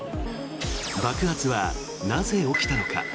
爆発はなぜ起きたのか。